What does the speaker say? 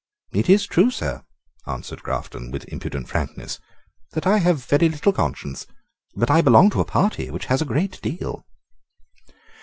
"It is true, sir," answered Grafton, with impudent frankness, "that I have very little conscience: but I belong to a party which has a great deal."